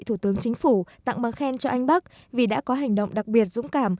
thủ tướng chính phủ tặng bằng khen cho anh bắc vì đã có hành động đặc biệt dũng cảm